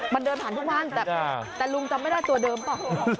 มันเดินผ่านทุกวันแต่ลุงจำไม่ได้ตัวเดิมเปล่า